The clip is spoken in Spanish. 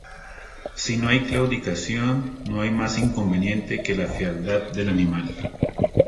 Si no hay claudicación, no hay más inconveniente que la fealdad del animal.